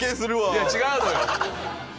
いや違うのよ。